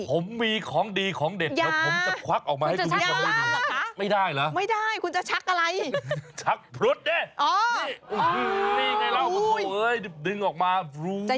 ผมมีของดีของเด็ดนะครัวจากครั้งเด็ดนี้ผมจะควักออกมาอย่า